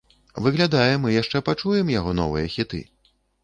Выглядае, мы яшчэ пачуем яго новыя хіты.